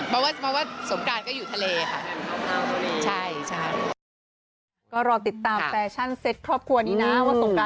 เพราะว่าสงการก็อยู่ทะเลค่ะ